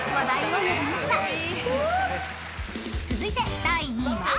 ［続いて第２位は］